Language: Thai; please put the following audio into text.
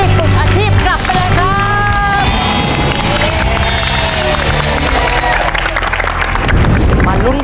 ฝึกอาชีพกลับไปเลยครับ